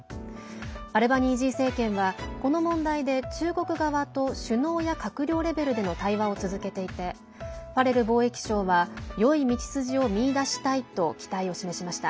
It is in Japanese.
アルバニージー政権はこの問題で中国側と首脳や閣僚レベルでの対話を続けていてファレル貿易相はよい道筋を見出したいと期待を示しました。